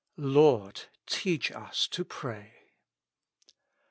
"Lord, teach us to pray."